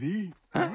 えっ？